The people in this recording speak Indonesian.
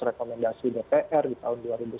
rekomendasi dpr di tahun dua ribu sembilan